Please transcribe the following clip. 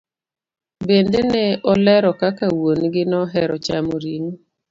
Bende ne olero kaka wuon gi nohero chamo ring'o.